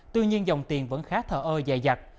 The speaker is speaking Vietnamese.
tuy nhiên dòng tiền vẫn khá thở ơ dày dặt